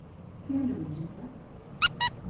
Fer una música.